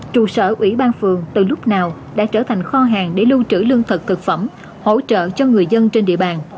trụ sở ủy ban phường từ lúc nào đã trở thành kho hàng để lưu trữ lương thực thực phẩm hỗ trợ cho người dân trên địa bàn